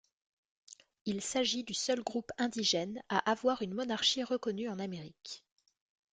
Il s'agit du seul groupe indigène à avoir une monarchie reconnue en Amérique.